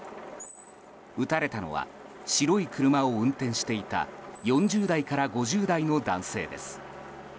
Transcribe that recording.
撃たれたのは白い車を運転していた４０代から５０代の男性です。